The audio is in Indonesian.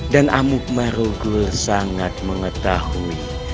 dan amuk marugul sangat mengetahui